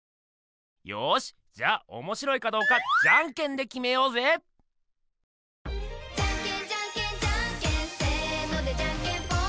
よしじゃあおもしろいかどうかじゃんけんできめようぜ「じゃんけん・じゃんけん・じゃんけんせーのでじゃんけんぽん！」